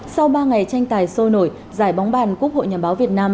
sau ba ngày tranh tài sôi nổi giải bóng bàn quốc hội nhà báo việt nam